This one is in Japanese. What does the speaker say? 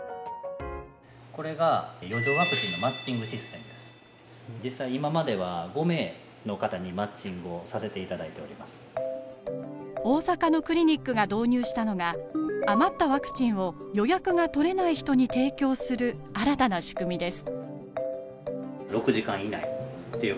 これが大阪のクリニックが導入したのが余ったワクチンを予約が取れない人に提供する新たな仕組みです。